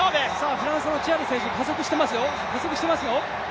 フランスのチュアル選手加速してますよ。